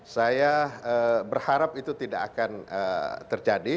saya berharap itu tidak akan terjadi